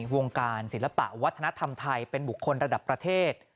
วงการศิลปะวัฒนธรรมไทยเป็นบุคคลระดับประเทศ